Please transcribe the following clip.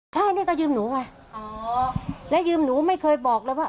ใช่นี่ก็ยืมหนูไงอ๋อและยืมหนูไม่เคยบอกเลยว่า